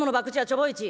ちょぼいち。